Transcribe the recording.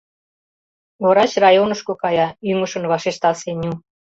— Врач районышко кая, — ӱҥышын вашешта Сеню.